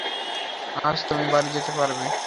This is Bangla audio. আজ তুমি বাড়ি যেতে পারবে।